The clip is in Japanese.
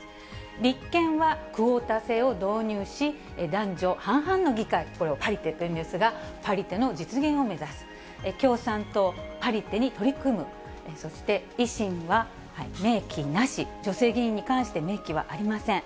立憲はクオータ制を導入し、男女半々の議会、これをパリテと言うんですが、パリテの実現を目指す、共産党、パリテに取り組む、そして維新は明記なし、女性議員に関して明記はありません。